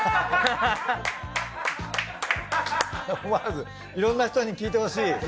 思わずいろんな人に聞いてほしい？